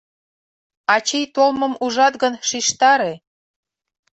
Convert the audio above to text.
Ачий толмым ужат гын, шижтаре.